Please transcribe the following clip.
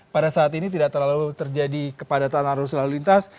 pada saat ini tidak terlalu terjadi kepadatan arus lalu lintas